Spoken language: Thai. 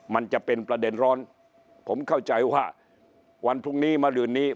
มันจะเป็นประเด็นร้อนผมเข้าใจว่าวันพรุ่งนี้มารืนนี้